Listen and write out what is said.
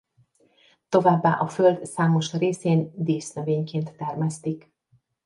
Továbbá a Föld számos részén dísznövényként termesztik.